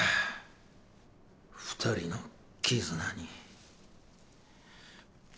２人の絆に。